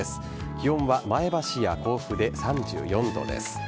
気温は前橋や甲府で３４度です。